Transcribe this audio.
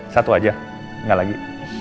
satu aja gak lagi